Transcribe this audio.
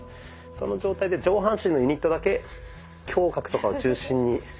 その状態で上半身のユニットだけ胸郭とかを中心に。